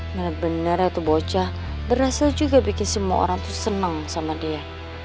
bener bener atau bocah berhasil juga bikin semua orang senang sama dia